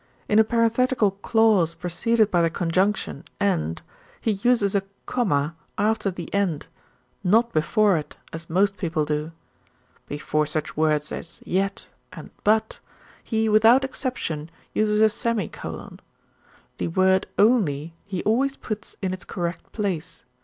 In a parenthetical clause preceded by the conjunction 'and,' he uses a comma after the 'and,' not before it as most people do. Before such words as 'yet' and 'but,' he without exception uses a semicolon. The word 'only,' he always puts in its correct place.